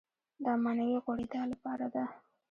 دا معنوي غوړېدا لپاره ده.